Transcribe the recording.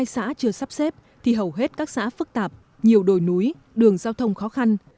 một mươi xã chưa sắp xếp thì hầu hết các xã phức tạp nhiều đồi núi đường giao thông khó khăn